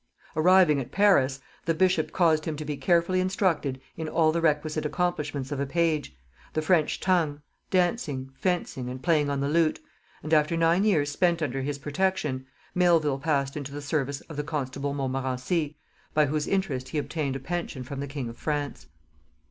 Arriving at Paris, the bishop caused him to be carefully instructed in all the requisite accomplishments of a page, the French tongue, dancing, fencing, and playing on the lute: and after nine years spent under his protection, Melvil passed into the service of the constable Montmorenci, by whose interest he obtained a pension from the king of France.